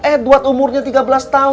eduard umurnya tiga belas tahun